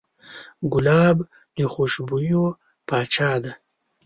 ګلاب د خوشبویو پاچا دی.